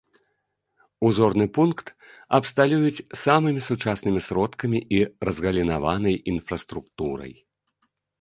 Узорны пункт абсталююць самымі сучаснымі сродкамі і разгалінаванай інфраструктурай.